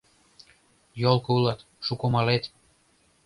Йолко улат, шуко малет.